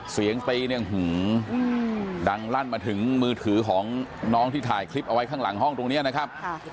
เสียงตีมาถึงมือถือน้องที่ถ่ายคลิปเอาไว้ข้างหลังห้องตรงนี้นะครับ